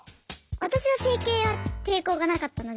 私は整形は抵抗がなかったので。